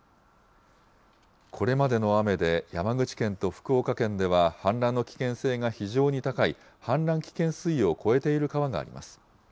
これまでの雨で山口県と福岡県では氾濫の危険性が非常に高い氾濫危険水位を超えている川があります。